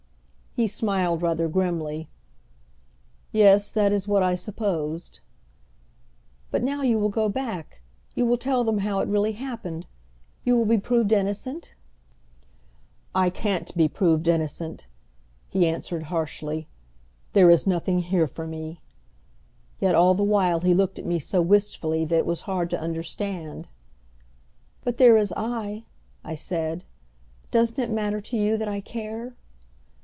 He smiled rather grimly. "Yes, that is what I supposed." "But now you will go back, you will tell them how it really happened, you will be proved innocent?" "I can't be proved innocent," he answered harshly. "There is nothing here for me." Yet all the while he looked at me so wistfully that it was hard to understand. "But there is I," I said. "Doesn't it matter to you that I care?"